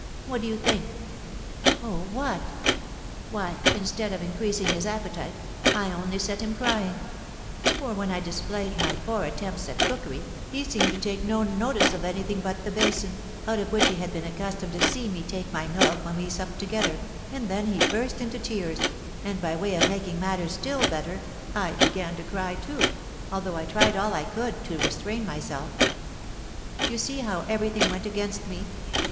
What do you think?" "Oh, what?" "Why, instead of increasing his appetite, I only set him crying; for, when I displayed my poor attempts at cookery, he seemed to take no notice of anything but the basin, out of which he had been accustomed to see me take my milk when we supped together; and then he burst into tears, and, by way of making matters still better, I began to cry, too, although I tried all I could to restrain myself. You see how everything went against me.